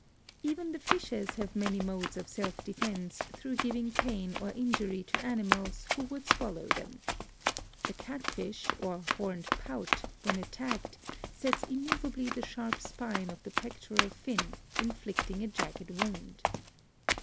Even the fishes have many modes of self defense through giving pain or injury to animals who would swal low them. The catfish, or horned pout, when attacked sets immovably the sharp spine of the pectoral fin, inflict ing a jagged wound.